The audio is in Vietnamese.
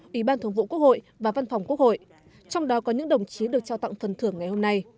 ủy ban thường vụ quốc hội và văn phòng quốc hội trong đó có những đồng chí được trao tặng phần thưởng ngày hôm nay